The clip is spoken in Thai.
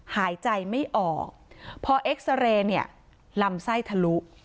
หายใจไม่ออกพอเอ็กซาเรย์เนี่ยลำไส้ทะลุ